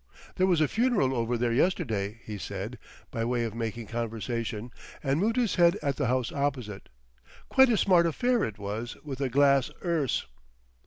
"There was a funeral over there yesterday," he said, by way of making conversation, and moved his head at the house opposite. "Quite a smart affair it was with a glass 'earse...."